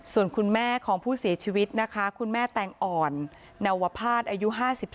ส่วนคุณแม่ของผู้เสียชีวิตนะคะคุณแม่แตงอ่อนนวภาษอายุ๕๓